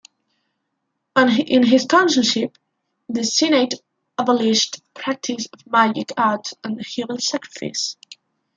In his consulship, the senate abolished practice of magic arts and human sacrifice.